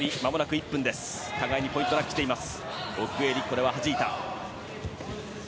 互いにポイントなく来ています。